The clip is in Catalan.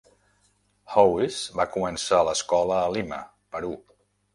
Hawes va començar l'escola a Lima, Perú.